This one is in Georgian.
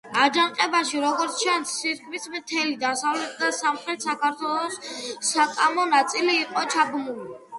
აჯანყებაში, როგორც ჩანს, თითქმის მთელი დასავლეთ და სამხრეთ საქართველოს საკმაო ნაწილი იყო ჩაბმული.